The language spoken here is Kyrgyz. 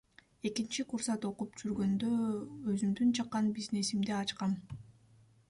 Экинчи курсат окуп жүргөндө өзүмдүн чакан бизнесимди ачкам.